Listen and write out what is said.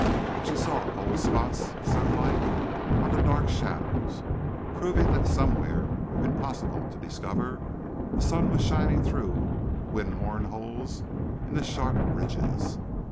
She saw gold spots of sunlight on the dark shadows, proving that somewhere, impossible to discover, the sun was shining through wind worn holes in the sharp ridges.